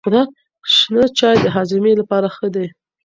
شنه چای د هاضمې لپاره ښه دی.